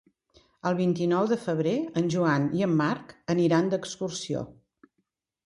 El vint-i-nou de febrer en Joan i en Marc aniran d'excursió.